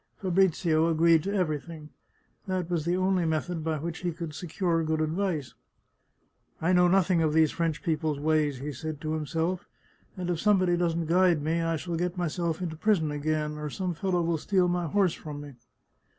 Fabrizio agreed to everything. That was the only method by which he could secure good advice. " I know nothing of these French people's ways," said he to him self, " and if somebody doesn't guide me I shall get my self into prison again, or some fellow will steal my horse from me